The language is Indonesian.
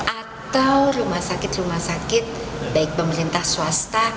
atau rumah sakit rumah sakit baik pemerintah swasta